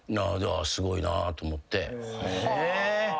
すごいなぁと思って。